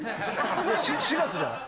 ４月じゃない？